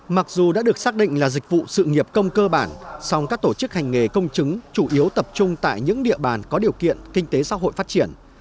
mặc dù đã được xác định là dịch vụ sự nghiệp công cơ bản song các tổ chức hành nghề công chứng chủ yếu tập trung tại những địa bàn có điều kiện kinh tế xã hội phát triển